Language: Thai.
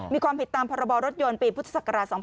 มีความผิดตามพรยปีพศ๒๕๒๒